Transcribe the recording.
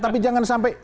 tapi jangan sampai